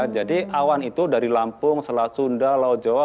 jadi awan itu dari lampung selat sunda laut jawa